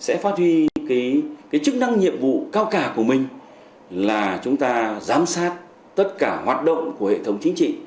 sẽ phát huy cái chức năng nhiệm vụ cao cả của mình là chúng ta giám sát tất cả hoạt động của hệ thống chính trị